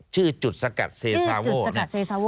ชื่อจุดสกัดเซซาโวชื่อจุดสกัดเซซาโว